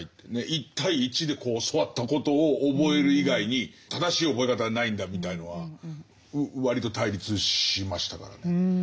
一対一で教わったことを覚える以外に正しい覚え方はないんだみたいのは割と対立しましたからね。